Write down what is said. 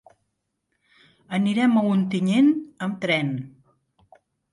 Anirem a Ontinyent amb tren.